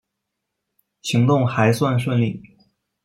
行动还算顺利